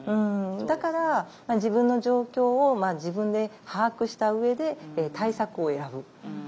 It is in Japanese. だから自分の状況を自分で把握した上で対策を選ぶ。